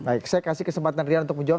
baik saya kasih kesempatan rian untuk menjawab